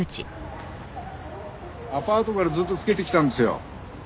アパートからずっとつけてきたんですよ。